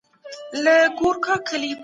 تعاون د برياليتوب کليد ده.